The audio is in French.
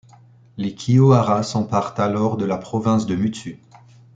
Les Kiyohara s’emparent alors de la province de Mutsu.